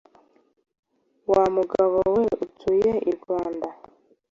Wa mugabo we utuye i Rwanda